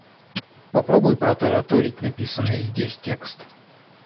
Попробуй протараторить написанный здесь текст.